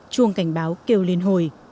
chuông cảnh báo kêu liên hồi